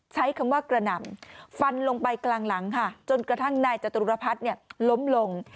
ใช้คำว่ากระหน่ำฟันลงไปกลางหลังค่ะจนกระทั่งนายจตุรพัฒน์ล้มลง